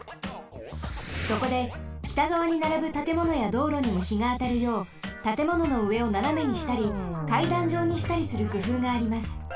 そこで北がわにならぶたてものやどうろにもひがあたるようたてもののうえをななめにしたりかいだんじょうにしたりするくふうがあります。